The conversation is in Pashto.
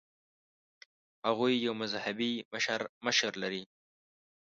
هغوی یو مذهبي مشر لري.